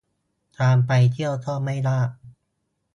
การไปเที่ยวก็ไม่ยาก